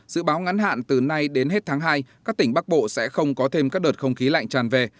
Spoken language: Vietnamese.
dự báo ngắn hạn từ nay đến hết tháng hai các tỉnh bắc bộ sẽ không có thêm các đợt không khí lạnh tràn về